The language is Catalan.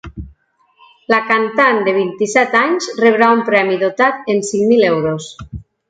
La cantant de vint-i-set anys rebrà un premi dotat en cinc mil euros.